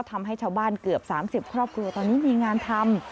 ทำให้ชาวบ้านเกือบ๓๐ครอบครัวตอนนี้มีงานทำ